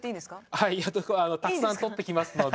はいたくさん取ってきますので。